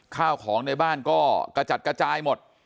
ข้าวของในบ้านก็กระจัดกระจายหมด